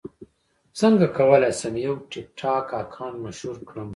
څنګه کولی شم یو ټکټاک اکاونټ مشهور کړم